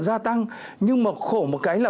gia tăng nhưng mà khổ một cái là